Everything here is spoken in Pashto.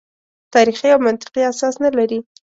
تاریخي او منطقي اساس نه لري.